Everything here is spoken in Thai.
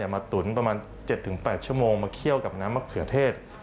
ตุ๋นประมาณ๗๘ชั่วโมงมาเคี่ยวกับน้ำมะเขือเทศ